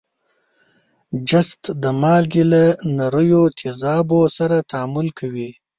جست د مالګې له نریو تیزابو سره تعامل کوي.